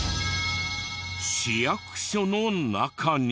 市役所の中に。